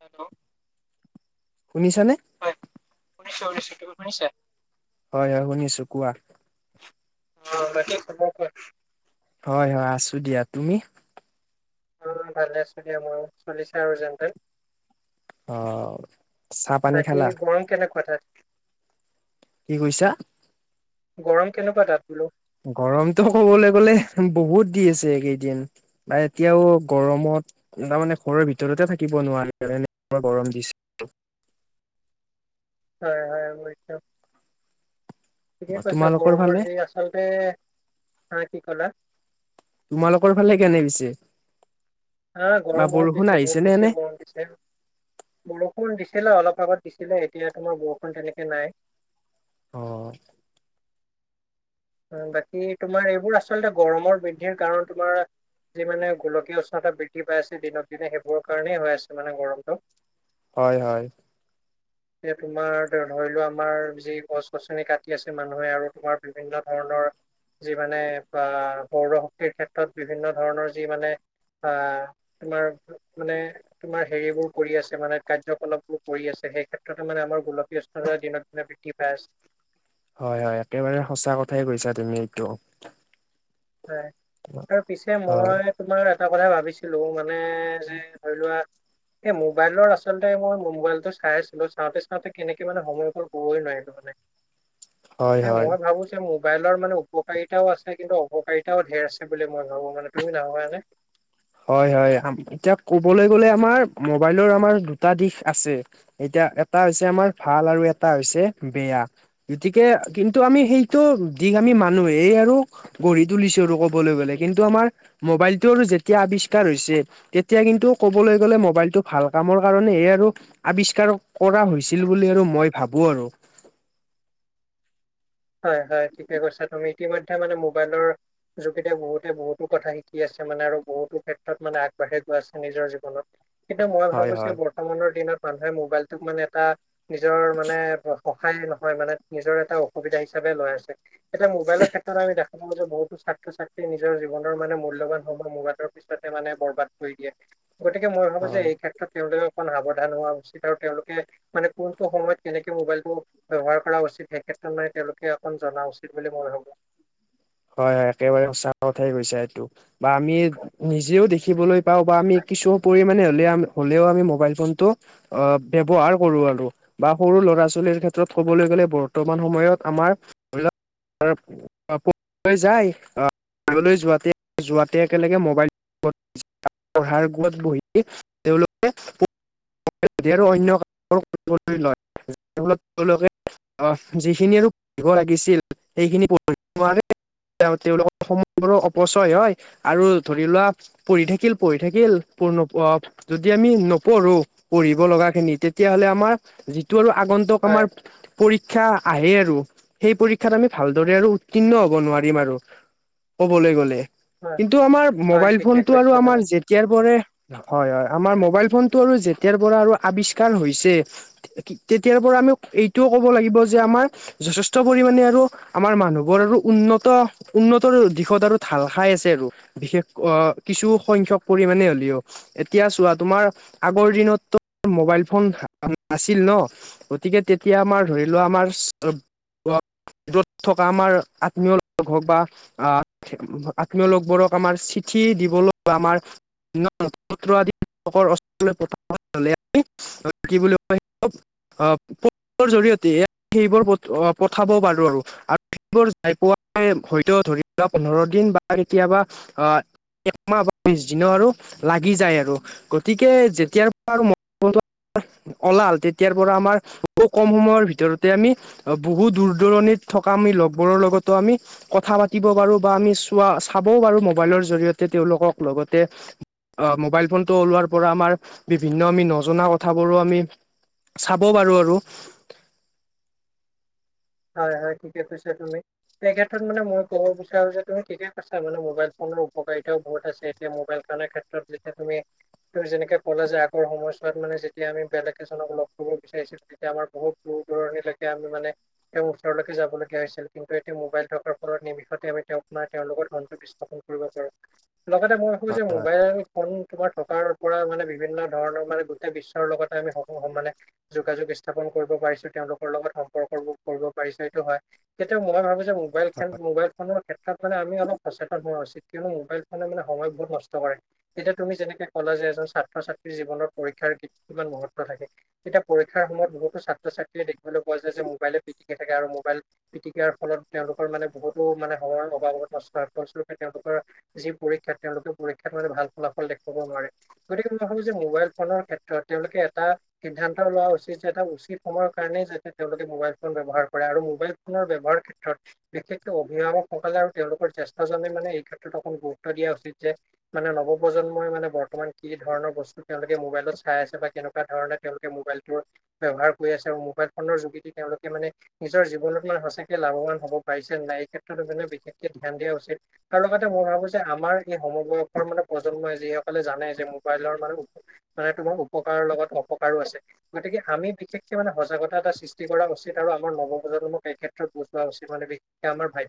Hello. শুনিছানে? হ'য়, শুনিছোঁ, শুনিছোঁ, তুমি শুনিছা? হ'য়, হ'য় শুনিছোঁ কোৱা। অঁ বাকি খবৰ কোৱা? হ'য়, হ'য় আছোঁ দিয়া। তুমি? অ ভালে আছো দিয়া মই চলিছে আৰু যেন তেন। অ চাহ পানী বাকী খালা? গৰম কেনেকুৱা তাত? কি কৈছা? গৰম কেনেকুৱা তাত বোলো? গৰমটো ক'বলে গ'লে বহুত দি আছে এইকেইদিন। বা এতিয়াও গৰমত তাৰমানে ঘৰৰ ভিতৰতে থাকিব নোৱাৰো আৰু এনেকুৱা গৰম দিছে। হয় হয় বুজিছোঁ ঠিকে কৈছা তোমালোকৰ ফালে? গৰমৰ যি আছে আচলতে, হা কি ক'লা? তোমালোকৰ ফালে কেনে পিছে? হাঁ বা গৰম বহুত বৰষুণ দিছে, আহিছে বহুত নে এনে? বেছি গৰম দিছে। বৰষুণ দিছিলে, অলপ আগত দিছিলে এতিয়া তোমাৰ বৰষুণ তেনেকে নাই। অ। অঁ, বাকি তোমাৰ এইবোৰ আচলতে গৰমৰ বৃদ্ধিৰ কাৰণ তোমাৰ যি মানে গোলকীয় উষ্ণতা বৃদ্ধিপাই আছে দিনক দিনে সেইবোৰৰ কাৰণেই হৈ আছে মানে গৰমটো। হয়, হয়। [inaudible] এতিয়া তোমাৰ এতিয়া ধৰিলোৱা আমাৰ যি গছ -গছনি কাটি আছে মানুহে আৰু তোমাৰ বিভিন্ন ধৰণৰ যি মানে বা সৌৰশক্তিৰ ক্ষেত্ৰত বিভিন্ন ধৰণৰ যি মানে আ, তোমাৰ মানে তোমাৰ হেৰি বোৰ কৰি আছে মানে কাৰ্যকলাপ বোৰ কৰি আছে, সেই ক্ষেত্ৰতে মানে আমাৰ গোলকীয় উষ্‌ উষ্ণতা দিনক দিনে বৃদ্ধি পাই আছে। হয়, হয় একেবাৰে সঁচা কথাই কৈছা তুমি এইটো। হ'য়। তাৰপিছে হয় মই তোমাৰ এটা কথাই ভাৱিছিলোঁ মানে যে ধৰিলোৱা এই মোবাইলৰ আচলতে মই মোবাইলটো চাই আছিলোঁ চাওঁতে- চাওঁতে কেনেকে মানে সময়গ'ল কবই নোৱাৰিম। [unintelligible] হয় এতিয়া হয়। মই ভাৱোঁ যে মোবাইলৰ মানে উপকাৰিতাও আছে কিন্তু অপ অপকাৰিতাও ঢেৰ আছে বুলি মই ভাৱোঁ মানে তুমি নাভাৱানে? হয় -হয় আম এতিয়া কবলৈ গ'লে আমাৰ মোবাইলৰ আমাৰ দুটা দিশ আছে এতিয়া এটা হৈছে আমাৰ ভাল আৰু এটা হৈছে বেয়া। গতিকে কিন্তু আমি সেইটো দিশ আমি মানুয়েই এই আৰু গঢ়ি তুলিছো আৰু ক'বলৈ গ'লে কিন্তু আমাৰ মোবাইলটো আৰু যেত তিয়া আৱিষ্কাৰ হৈছে তেতিয়া কিন্তু ক'বলৈ গ'লে মোবাইলটো ভাল কামৰ কাৰণেহে আৰু আৱিষ্কাৰ কৰা হৈছিল বুলি আৰু মই ভাৱো আৰু। হয়- হয় ঠিকে কৈছা তুমি ইতিমধ্যে মানে মোবাইলৰ যোগেদিয়েই বহুতে বহুতো কথা শিকি আছে মানে আৰু বহুতো ক্ষেত্ৰত মানে আগবাঢ়ি গৈ আছে নিজৰ জীৱনত। কিন্তু মই ভাৱো হয় যে হয় বৰ্তমানৰ দিনত মানুহে মোবাইলটোক মানে কাক নিজৰ মানে অ- অসহায় নহয় মানে নিজৰ এটা অসুবিধা হিচাপে লোৱা হৈছে। এতিয়া মোবাইলৰ ক্ষেত্ৰত আমি দেখা পাওঁ যে বহুতো ছাত্ৰ -ছাত্ৰী নিজৰ জীৱনৰ মানে মূল্যৱান সময় মোবাইলক পিছতে মানে বৰবাদ কৰি দিয়ে। গতিকে মই ভাৱোঁ যে হয়। এই ক্ষেত ত্ৰত তেওঁলোকে অকণ সাৱধান হোৱা উচিত আৰু তেওঁলোকে মানে কোনটো সময়ত কেনেকে মোবাইল টো ব্যৱহাৰ কৰা উচিত সেইক্ষেত তাৰমানে তেওঁলোকে অকণ জনা উচিত বুলি মই ভাৱোঁ। হয়-হয় একেবাৰে সঁচা কথাই কৈছে এইটো বা আমি নিজেও দেখিবলৈ পাও বা আমি কিছু পৰিমানে হ'লেও আমি হ'লেও মোবাইলফোনটো অ, ব্যৱহাৰ কৰোঁ আৰু। বা সৰু ল'ৰা -ছোৱালীৰ ক্ষেত্ৰত ক'বলে গ'লে বৰ্তমান সময়ত আমাৰ ধৰিলোৱা [unintelligible] লৈ যাই আ, আগলৈ যোৱাতে- যোৱাতে একেলগে মবাইলফোন পঢ়াৰ [unintelligible] বহি তেওঁলোকে মো [unintelligible] [unintelligible] যিখিনি আৰু [unintelligible] নোৱাৰে [unintelligible] তেওঁলোকৰ সময়বোৰো অপচয় হয় আৰু ধৰি লোৱা পঢ়ি থাকিল- পঢ়ি থাকিল পূৰ্ণ পোৱা যদি আমি নপঢ়ো পঢ়িব লগা খিনি তেতিয়া হ'লে আমাৰ যিটো আৰু আগন্ত ন্তক হয় আমাৰ পৰীক্ষা আহে আৰু সেই পৰীক্ষাত আমি ভালদৰে আৰু উ তীৰ্ণ হ'ব নোৱাৰিম আৰু ক'বলে গ'লে। হয় কিন্তু আমাৰ হয় মোবাইল ঠিকে ফোনটো আৰু কৈছা আমাৰ তুমি যে তিয়াৰ পৰে হয়- হয় আমাৰ মোবাইলফোনটো আৰু যেতিয়াৰ পৰা আৰু আৱিষ্কাৰ হৈছে তেতিয়াৰ পৰা আমি এইটোও ক'ব লাগিব যে আমাৰ যথেষ্ট পৰিমাণে আৰু আমাৰ মানুহ বোৰ আৰু উন্নত- উন্নতৰ দিশত আৰু ঢাল খাই আছে আৰু। বিশেষ ৱ কিছু সংখ্যক পৰিমাণে হলিও। এতিয়া চোৱা তোমাৰ আগৰ দিনততো মোবাইল ফোন নাছিল ন? গতিকে তেতিয়া আমাৰ ধৰি লোৱা আমাৰ [unintelligible] থকা আমাৰ আত্মীয় [unintelligible] হ'ক বা আহ, আত্মীয় লোকবোৰক আমাৰ চিঠি দিবলৈ আমাৰ [unintelligible] [unintelligible] কি বুলি কয় [unintelligible] অ, [unintelligible] জৰিয়তে এ সেইবোৰ পঠো অ, পঠাব পাৰো আৰু আৰু সেইবোৰ যায় পোৱা [unintelligible] হয়তো ধৰি লোৱা পোন্ধৰ দিন বা কেতিয়াবা আহ একমাহ বা বিছ দিনো আৰু লাগি যায় আৰু। গতিকে যেতিয়াৰ পা [unintelligible] অলাল তেতিয়াৰ পৰা আমাৰ বহু কম সময়ৰ ভিতৰতে আমি বহু দূৰ -দূৰণিত থকা আমি লগবোৰৰ লগতো আমি কথা পাতিব পাৰো বা আমি চোৱা চাবও পাৰো মবাইলৰ জৰিয়তে তেওঁওলোকক লগতে অ মোবাইল ফোনটো ওলোৱাৰ পৰা আমাৰ বিভিন্ন আমি নজনা কথাবোৰো আমি চাব পাৰো আৰু। হয় হয় ঠিকে কৈছা তুমি। এই ক্ষেত্ৰত মানে মই ক'ব বিচাৰো যে তুমি ঠিকে কৈছা মানে মোবাইল ফোনৰ উপকাৰিতাও বহুত আছে। মোবাইল কানে ক্ষেত্ৰত যেতিয়া তুমি তোৰ যেনেকে ক'লে যে আগৰ সময়ছোৱাত মানে যেতিয়া আমি বেলেগ এজনক লগ কৰিব বিচাৰিছিল তেতিয়া আমাৰ বহুত দূৰ দূৰণিলেকে আমি মানে তেওঁ ওচৰলৈকে যাবলগীয়া হৈছিল কিন্তু এতিয়া মোবাইল থকাৰ ফলত নিমিষতে তেওঁক নাই তেওঁৰ লগত সংযোগ স্থাপন কৰিব পাৰ লগতে মই ভাবোজে মোবাইল [unintelligible] তোমাৰ থকাৰ পৰা মানে বিভিন্ন ধৰণৰ মানে গোটেই বিশ্বৰ লগতে আমি সহ সমানে যোগাযোগ স্থাপন কৰিব পাৰিছো তেওঁলোকৰ লগত সম্পৰ্কবোৰ কৰিব পাৰিছো এইটো হয় কিন্তু মই ভাবো যে মোবাইল খেল মোবাইল মানুহৰ ক্ষেত্ৰত মানে আমি অলপ সচেতন হোৱা উচিত কিয়নো মোবাইল ফোনে মানে সময় বহুত নষ্ট কৰে। এতিয়া তুমি যেনেকে ক'লা যে এজন ছাত্ৰ- ছাত্ৰীৰ জীৱনত পৰীক্ষাৰ কিমান মহত্ব থাকে। এতিয়া পৰীক্ষাৰ সময়ত বহুতো ছাত্ৰ -ছাত্ৰীয়ে দেখিবলৈ পোৱা যায় যে মোবাইলে পিটিকে থাকে আৰু মোবাইল পিটিকাৰ ফলত তেওঁলোকৰ মানে বহুতো মানেৰ সময়ৰ অবাৱত [unintelligible] যি পৰীক্ষাত তেওঁলোকে পৰীক্ষাত মানে ভাল ফলাফল দেখুৱাব নোৱাৰে। গতিকে মই ভাবো যে মোবাইল ফোনৰ ক্ষেত্ৰত তেওঁলোকে এটা সিদ্ধান্ত লোৱা উচিত যে এটা উচিত সময়ৰ কাৰণেই যাতে তেওঁলোকে মোবাইল ফোন ব্যৱহাৰ কৰে আৰু মোবাইল ফোনৰ ব্যৱহাৰ ক্ষেত্ৰত বিশেষকে অভিভাৱকসকলে আৰু তেওঁলোকৰ জ্যেষ্ঠজনে মানে এই ক্ষেত্ৰত অকন গুৰুত্ব দিয়া উচিত যে মানে নৱপ্ৰজন্মই মানে বৰ্তমান কি ধৰণৰ বস্ত- তেওঁলোকে মোবাইলত চাই আছে বা কেনেকুৱা ধৰণে তেওঁলোকে মোবাইলতোৰ ব্যৱহাৰ কৰি আছে আৰু মোবাইল ফোনৰ যোগেদি তেওঁলোকে মানে নিজৰ জীৱনত মানে সঁচাকে লাভৱান হব পাৰিছে নে নাই এই ক্ষেত্ৰত বিশেষকে ধ্যান দিয়া উচিত। কাৰো লগতে মই ভাবো যে আমাৰ এই সমবয়সৰ মানে প্ৰজন্মই যিসকলে জানে যে মোবাইলৰ মানে উপ- মানে তোমাৰ উপকাৰৰ লগত অপকাৰো আছে গতিকে আমি বিশেষকে মানে সজাগতা এটা সৃষ্ট- কৰা উচিত আৰু আমাৰ নৱপ্ৰন্মক এই ক্ষেত্ৰত বুজ লোৱা উচিত মানে বিশ কে আমাৰ ভা-